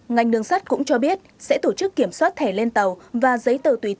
ngành đường sắt cũng cho biết sẽ tổ chức kiểm soát thẻ lên tàu